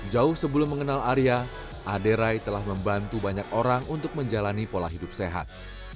jauh sebelum mengenal arya aderai telah membantu banyak orang untuk menjalani pola hidup sehat